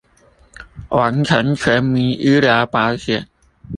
完成全民醫療保險